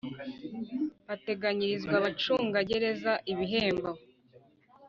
bateganyirizwa abacungagereza ibihembo